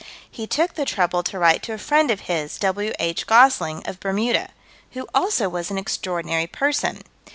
He took the trouble to write to a friend of his, W.H. Gosling, of Bermuda who also was an extraordinary person.